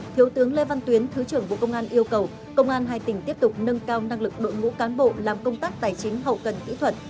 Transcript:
thiếu tướng lê văn tuyến thứ trưởng bộ công an yêu cầu công an hai tỉnh tiếp tục nâng cao năng lực đội ngũ cán bộ làm công tác tài chính hậu cần kỹ thuật